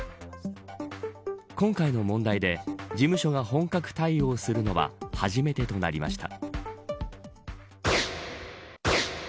今回の問題で事務所が本格対応するのは初めてとなりました。